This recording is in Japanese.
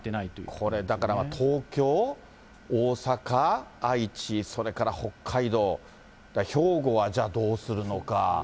これだから、東京、大阪、愛知、それから北海道、兵庫はじゃあどうするのか。